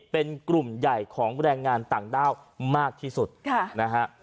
เป็นกลุ่มใหญ่ของแรงงานต่างด้าวมากที่สุดค่ะนะฮะ